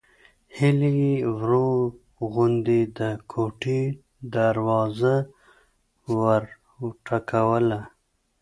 هيلې يې ورو غوندې د کوټې دروازه وروټکوله